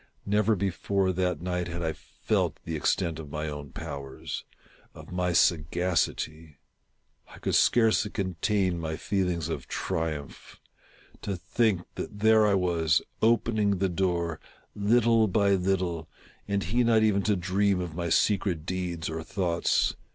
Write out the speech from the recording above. Never before that night had I. felt the extent of my own powers — of my sagacity. I could scarcely contain my feelings of triumph. To think that there I was, opening the door, little by little, and he not even to dream of my secret deeds or thoughts.